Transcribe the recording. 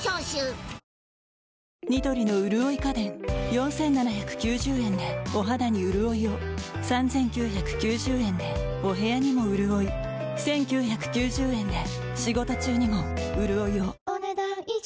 ４，７９０円でお肌にうるおいを３，９９０円でお部屋にもうるおい１，９９０円で仕事中にもうるおいをお、ねだん以上。